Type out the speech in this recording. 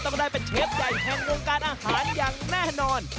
ไม่ได้เป็นเชฟใหญ่แห่งวงการอาหารอย่างแน่นอน